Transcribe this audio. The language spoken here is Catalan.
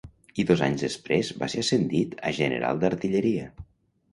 I dos anys després va ser ascendit a General d'Artilleria.